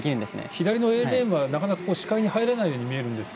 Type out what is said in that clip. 左のＡレーンは、なかなか視界に入らないように思うんですが。